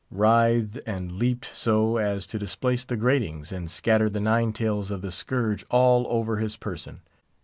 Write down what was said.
_" writhed and leaped so as to displace the gratings, and scatter the nine tails of the scourge all over his person.